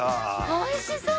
おいしそう！